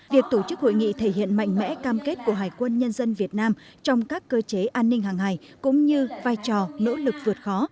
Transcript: việc tổ chức hội nghị thể hiện mạnh mẽ cam kết của hải quân nhân dân việt nam trong các cơ chế an ninh hàng hài cũng như vai trò nỗ lực vượt khó